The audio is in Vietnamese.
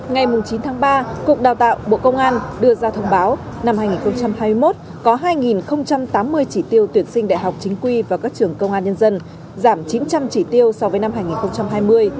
ngày chín tháng ba cục đào tạo bộ công an đưa ra thông báo năm hai nghìn hai mươi một có hai tám mươi chỉ tiêu tuyển sinh đại học chính quy và các trường công an nhân dân giảm chín trăm linh chỉ tiêu so với năm hai nghìn hai mươi